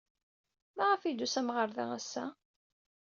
Maɣef ay d-tusam ɣer da ass-a?